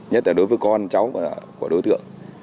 nhất là đối với con cháu của đối tượng